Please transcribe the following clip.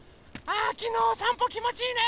あきのおさんぽきもちいいね。